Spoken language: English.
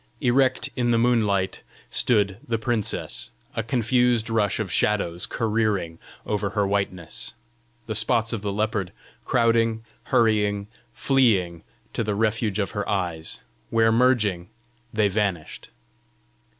Erect in the moonlight stood the princess, a confused rush of shadows careering over her whiteness the spots of the leopard crowding, hurrying, fleeing to the refuge of her eyes, where merging they vanished.